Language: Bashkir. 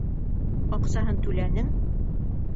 Аҡсаһын түләнем.